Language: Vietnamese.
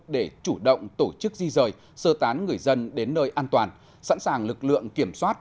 để chủ động tổ chức di rời sơ tán người dân đến nơi an toàn sẵn sàng lực lượng kiểm soát